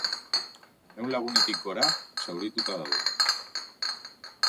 Ehun lagunetik gora zaurituta daude.